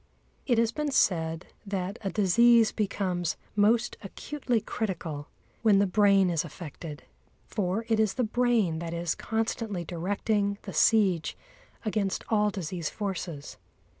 It has been said that a disease becomes most acutely critical when the brain is affected. For it is the brain that is constantly directing the siege against all disease forces.